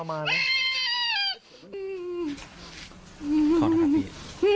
ไม่โดนเลย